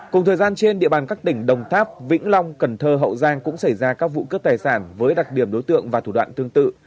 cùng thời gian trên địa bàn các tỉnh đồng tháp vĩnh long cần thơ hậu giang cũng xảy ra các vụ cướp tài sản với đặc điểm đối tượng và thủ đoạn tương tự